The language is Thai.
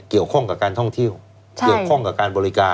เกี่ยวข้องกับการท่องเที่ยวเกี่ยวข้องกับการบริการ